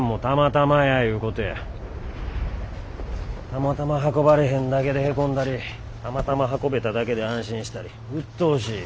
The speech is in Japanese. たまたま運ばれへんだけでへこんだりたまたま運べただけで安心したりうっとうしい。